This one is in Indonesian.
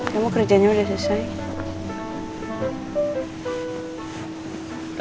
kamu kerjanya udah selesai